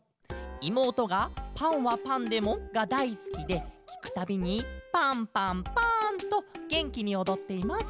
「いもうとが『パンはパンでも！？』がだいすきできくたびに『パンパンパン』とげんきにおどっています。